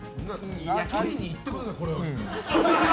取りにいってください、これは。